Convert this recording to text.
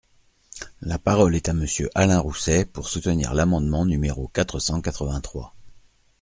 La parole est à Monsieur Alain Rousset, pour soutenir l’amendement numéro quatre cent quatre-vingt-trois.